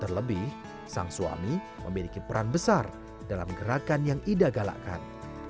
terlebih sang suami memiliki peran besar dalam gerakan yang ida galakkan